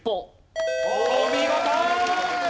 お見事！